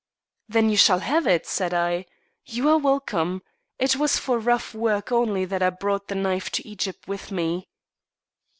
"Then you shall have it," said I. "You are welcome. It was for rough work only that I brought the knife to Egypt with me."